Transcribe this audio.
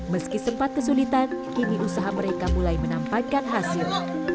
meski sempat kesulitan kini usaha mereka mulai menampakkan hasil